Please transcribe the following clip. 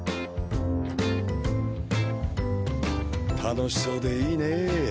楽しそうでいいねぇ。